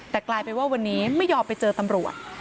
แต่กลายเป็นว่าวันนี้ไม่ยอมไปเจอตำรวจ